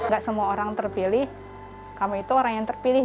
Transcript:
gak semua orang terpilih kamu itu orang yang terpilih